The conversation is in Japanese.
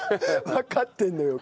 「わかってんのよ